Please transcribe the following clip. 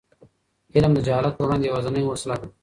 علم د جهالت پر وړاندې یوازینۍ وسله ده.